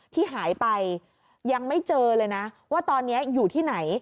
ที่หายไปยังไม่เจอเลยนะว่าตอนนี้อยู่ที่ไหน